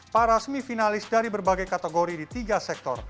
para semifinalis dari berbagai kategori di tiga sektor